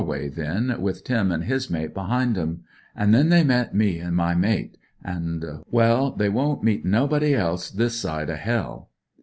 way then, with Tim an' his mate behind 'em. An' then they met me ir my mate, an'— well, they won't mt nobody else this side o' hell.